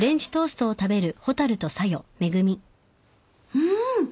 うん。